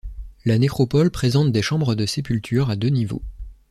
La nécropole présente des chambres de sépulture à deux niveaux.